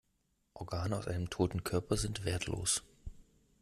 Organe aus einem toten Körper sind wertlos.